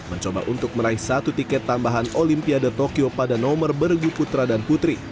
mencoba untuk meraih satu tiket tambahan olimpiade tokyo pada nomor bergu putra dan putri